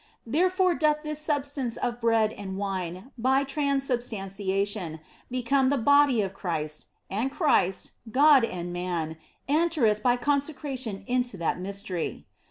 Therefore doth this substance of bread and wine by transubstantiation become the body of Christ, and Christ, God and Man, entereth by consecration into that Mystery.